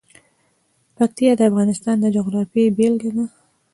پکتیا د افغانستان د جغرافیې بېلګه ده.